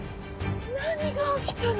何が起きたの？